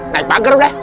naik pager deh